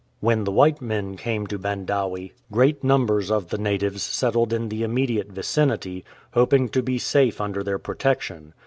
When the white men came 138 THE WILD ANGONI to Bandawe great numbers of the natives settled in the immediate vicinity, hoping to be safe under their protec tion.